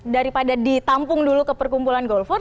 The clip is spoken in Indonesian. daripada ditampung dulu ke perkumpulan golfer